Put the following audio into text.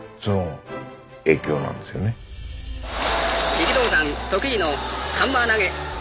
力道山得意のハンマー投げ。